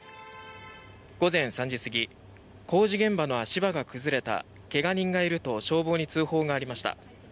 午前３時過ぎ工事現場の足場が崩れた怪我人がいると消防に通報がありました。